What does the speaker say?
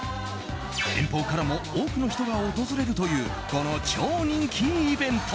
遠方からも多くの人が訪れるというこの超人気イベント。